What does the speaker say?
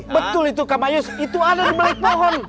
betul itu kamayus itu ada di balik pohon